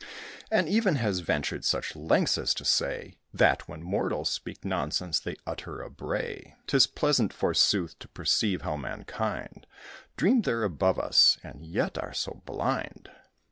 And even has ventured such lengths as to say, That, when mortals speak nonsense, they utter a bray! 'Tis pleasant, forsooth, to perceive how mankind Dream they're above us, and yet are so blind.